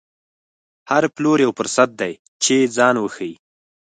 هر پلور یو فرصت دی چې ځان وښيي.